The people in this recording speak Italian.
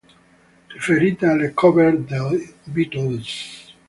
Riferita alla "cover" dei Beatles.